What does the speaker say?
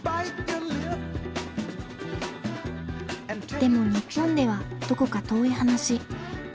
でも日本ではどこか遠い話。